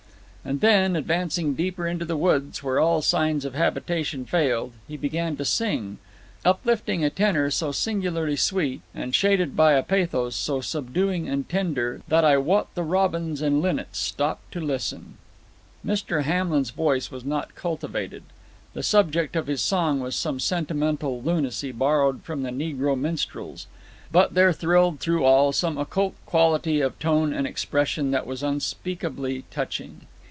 And then, advancing deeper into the woods, where all signs of habitation failed, he began to sing uplifting a tenor so singularly sweet, and shaded by a pathos so subduing and tender, that I wot the robins and linnets stopped to listen. Mr. Hamlin's voice was not cultivated; the subject of his song was some sentimental lunacy borrowed from the Negro minstrels; but there thrilled through all some occult quality of tone and expression that was unspeakably touching.